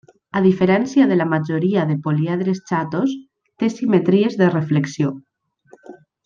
A diferència de la majoria de políedres xatos, té simetries de reflexió.